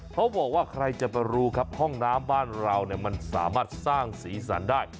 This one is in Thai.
เขาบอกว่าใครจะไปรู้ครับห้องน้ำบ้านเรามันสามารถสร้างสีสันได้